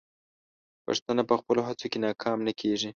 پښتانه په خپلو هڅو کې ناکام نه کیږي.